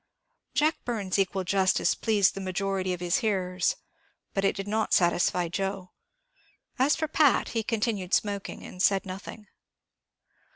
Jack Byrne's equal justice pleased the majority of his hearers; but it did not satisfy Joe. As for Pat, he continued smoking, and said nothing.